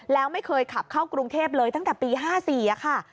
แล้วไม่เคยขับเข้ากรุงเทพเลยตั้งแต่ปี๕๔ค่ะ